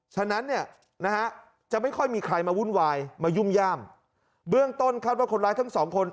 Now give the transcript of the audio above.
ฉะนั้นเนี่ยนะฮะจะไม่ค่อยมีใครมาวุ่นวายมายุ่มย่ามเบื้องต้นคาดว่าคนร้ายทั้งสองคน